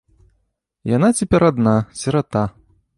Яна цяпер адна, сірата.